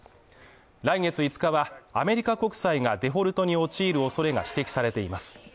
来月５日は、アメリカ国債がデフォルトに陥る恐れが指摘されています。